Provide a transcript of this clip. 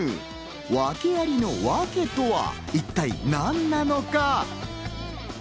訳ありのワケとは一体何なのか？